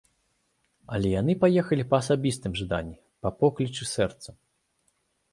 Але яны паехалі па асабістым жаданні, па поклічы сэрца.